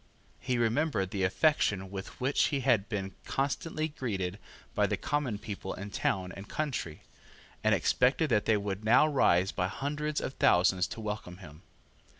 He remembered the affection with which he had been constantly greeted by the common people in town and country, and expected that they would now rise by hundreds of thousands to welcome him.